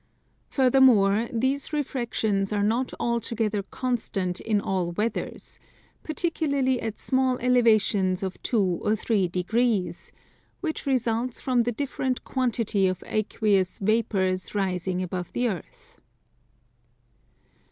Furthermore these refractions are not altogether constant in all weathers, particularly at small elevations of 2 or 3 degrees; which results from the different quantity of aqueous vapours rising above the Earth.